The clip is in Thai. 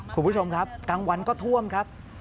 คุณผู้ชมครับกลางวันก็ท่วมครับ